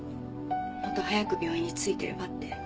もっと早く病院に着いてればって。